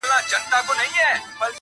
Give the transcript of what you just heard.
نن دي د دښتونو پر لمنه رمې ولیدې!!